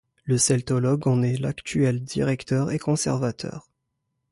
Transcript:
Le celtologue en est l'actuel directeur et conservateur.